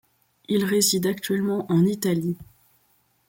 Il réside actuellement en Italie.